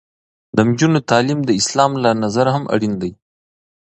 د نجونو تعلیم د اسلام له نظره هم اړین دی.